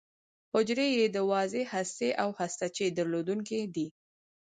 حجرې یې د واضح هستې او هسته چي درلودونکې دي.